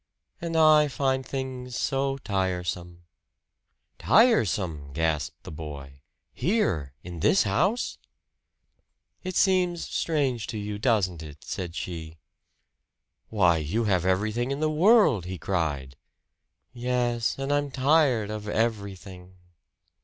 "And I find things so tiresome." "Tiresome!" gasped the boy. "Here in this house!" "It seems strange to you, does it?" said she. "Why you have everything in the world!" he cried. "Yes, and I'm tired of everything."